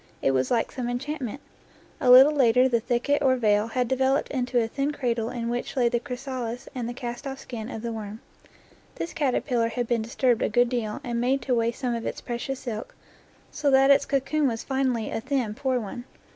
It was like some enchantment. A little later the thicket, or veil, had developed into a thin cradle in which lay the chrysalis and the cast off skin of the worm. This caterpillar had been disturbed a good deal and made to waste some of its precious silk, so that its cocoon was finally a thin, poor one.